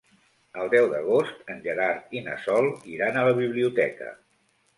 El deu d'agost en Gerard i na Sol iran a la biblioteca.